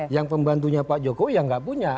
yang pembantunya pak joko ya gak punya